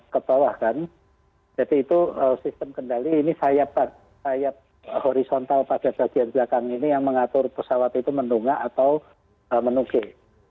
ke bawah kan jadi itu sistem kendali ini sayap horizontal pada bagian belakang ini yang mengatur pesawat itu mendungak atau menukik